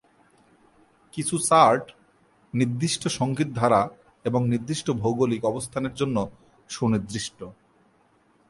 কিছু চার্ট নির্দিষ্ট সঙ্গীত ধারা এবং নির্দিষ্ট ভৌগোলিক অবস্থানের জন্য সুনির্দিষ্ট।